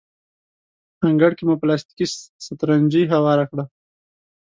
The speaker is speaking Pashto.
انګړ کې مو پلاستیکي سترنجۍ هواره کړه.